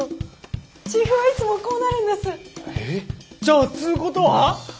じゃあつことは？